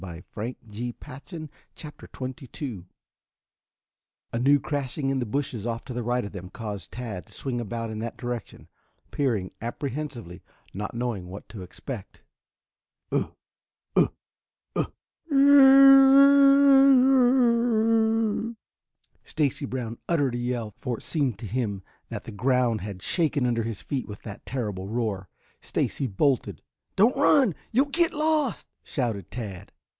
CHAPTER XXIII AN EXCITING QUEST A new crashing in the bushes off to the right of them caused Tad to swing about in that direction, peering apprehensively, not knowing what to expect. "Ugh ugh ugh, oo oo ooo o o o o!" Stacy Brown uttered a yell, for it seemed to him that the ground had shaken under his feet with that terrible roar. Stacy bolted. "Don't run! You'll get lost!" shouted Tad.